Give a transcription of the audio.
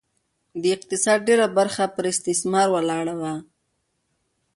د اقتصاد ډېره برخه یې پر استثمار ولاړه وه